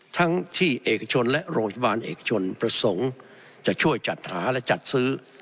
ทั้งที่เอกชนและโรงพยาบาลเอกชนประสงค์จะช่วยจัดหาและจัดซื้อ